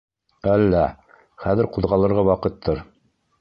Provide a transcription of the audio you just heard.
— Әллә, хәҙер ҡуҙғалырға ваҡыттыр...